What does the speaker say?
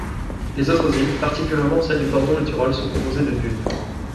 Les autres îles, particulièrement celles du cordon littoral, sont composées de dunes.